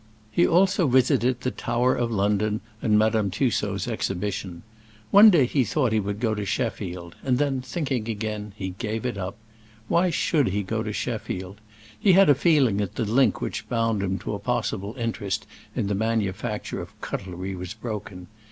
He also visited the Tower of London and Madame Tussaud's exhibition. One day he thought he would go to Sheffield, and then, thinking again, he gave it up. Why should he go to Sheffield? He had a feeling that the link which bound him to a possible interest in the manufacture of cutlery was broken.